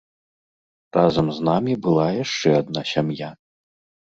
Разам з намі была яшчэ адна сям'я.